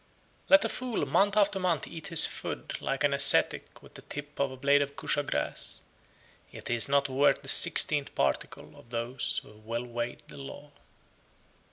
70. Let a fool month after month eat his food (like an ascetic) with the tip of a blade of Kusa grass, yet he is not worth the sixteenth particle of those who have well weighed the law.